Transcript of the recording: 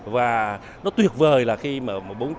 và nó tuyệt vời là khi mà bốn